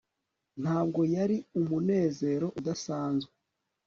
Ntabwo yari umunezero udasanzwe